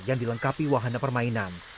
yang dilengkapi wahana permainan